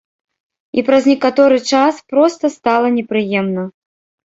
І праз некаторы час проста стала непрыемна.